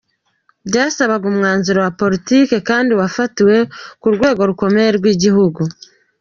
Byasabaga umwanzuro wa politiki kandi wafatiwe ku rwego rukomeye rw’ igihugu.